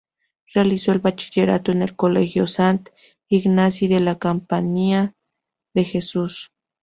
Realizó el bachillerato en el colegio Sant Ignasi de la Compañía de Jesús.